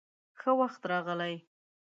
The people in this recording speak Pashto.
_ښه وخت راغلې.